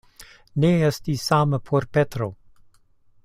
Ne estis same por Petro.